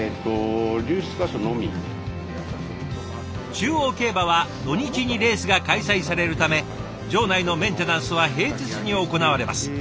中央競馬は土日にレースが開催されるため場内のメンテナンスは平日に行われます。